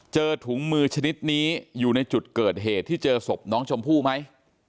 เจอถุงมือชนิดนี้อยู่ในจุดเกิดเหตุที่เจอศพน้องชมพู่ไหม